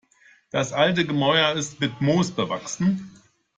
Das alte Gemäuer ist mit Moos bewachsen.